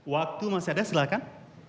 waktu masih ada silakan